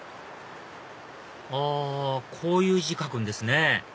あこういう字書くんですね